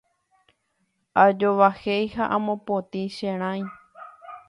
Ajovahéi ha amopotĩ che rãi.